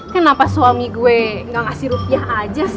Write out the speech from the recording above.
kenapa suami gue gak ngasih rupiah aja sih